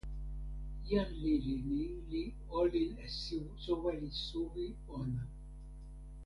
jan lili ni li olin e soweli suwi ona.